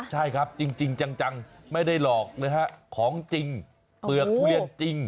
ใช่ครับจริงจังไม่ได้หลอกนะฮะของจริงเปลือกทุเรียนจริง